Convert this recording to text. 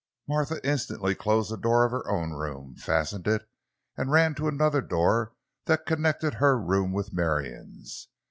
Martha instantly closed the door of her own room, fastened it and ran to another door that connected her room with Marion's.